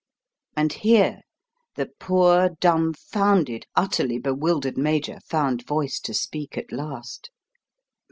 And here the poor, dumfounded, utterly bewildered Major found voice to speak at last.